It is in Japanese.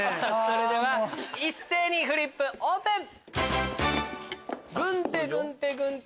それでは一斉にフリップオープン！